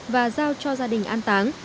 và giao cho gia đình an táng